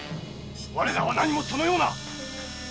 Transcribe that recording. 我らは何もそのような！